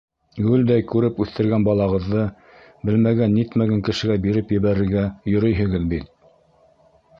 Гөлдәй күреп үҫтергән балағыҙҙы белмәгән-нитмәгән кешегә биреп ебәрергә йөрөйһөгөҙ бит!